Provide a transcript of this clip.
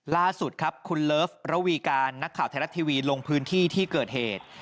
ล่าสุดครับคุณเลิฟระวีการนักข่าวไทยรัฐทีวีลงพื้นที่ที่เกิดเหตุ